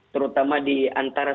terutama di antara